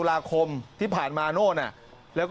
ปลูกมะพร้าน้ำหอมไว้๑๐ต้น